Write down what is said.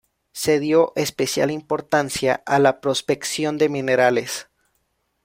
Se dio especial importancia a la prospección de minerales.